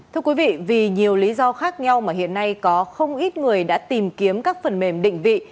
thưa quý vị vì nhiều lý do khác nhau mà hiện nay có không ít người đã tìm kiếm các phần mềm định vị